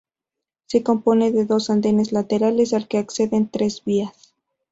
Se compone de dos andenes laterales al que acceden tres vías.